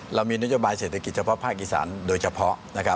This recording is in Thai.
เรามีนโยบายเศรษฐกิจเฉพาะภาคอีสานโดยเฉพาะนะครับ